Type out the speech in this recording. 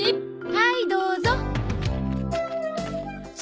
はいどうぞ。